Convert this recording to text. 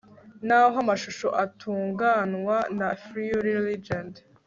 naho amashusho atunganywa na fleury legend